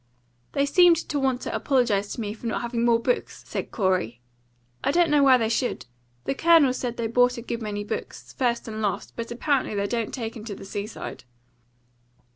"They seemed to want to apologise to me for not having more books," said Corey. "I don't know why they should. The Colonel said they bought a good many books, first and last; but apparently they don't take them to the sea side."